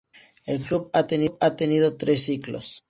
El club ha tenido tres ciclos.